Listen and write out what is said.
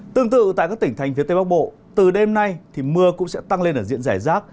tương tự tại các tỉnh thành phía tây bắc bộ từ đêm nay thì mưa cũng sẽ tăng lên ở diện giải rác